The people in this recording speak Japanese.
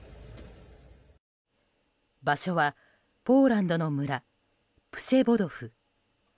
場所はポーランドの村プシェボドフ。